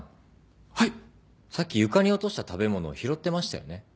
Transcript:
さっき床に落とした食べ物を拾ってましたよね？